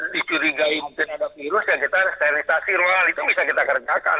dicurigai mungkin ada virus ya kita sterilisasi ruangan itu bisa kita kerjakan